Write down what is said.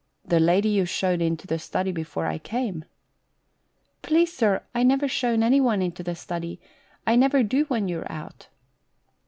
" The lady you showed into the study before I came." " Please, sir, I never shown anyone into the study ; I never do when you're out."